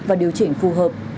và điều chỉnh phù hợp